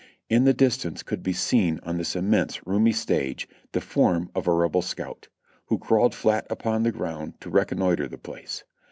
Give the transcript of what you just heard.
In the distance could be seen on this immense, roomy stage the form of a Rebel scout, who crawled flat upon the ground to recon noitre the place.